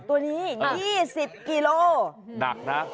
ตัวนี้๒๐กิโลกรัม